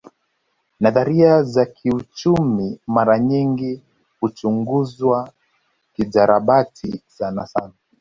Nadharia za kiuchumi mara nyingi huchunguzwa kijarabati sanasana